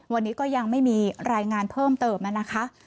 วันนี้ก็ยังไม่มีรายงานเพิ่มเติมนะคะ